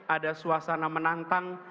ada suasana menantang